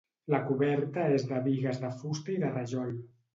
La coberta és de bigues de fusta i de rajol.